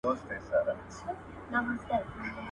سینوهه وویل چي مطالعه د پوهي اساس دی.